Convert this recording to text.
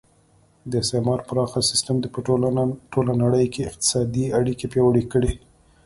د استعمار پراخه سیسټم په ټوله نړۍ کې اقتصادي اړیکې پیاوړې کړې